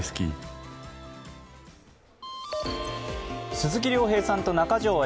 鈴木亮平さんと中条あ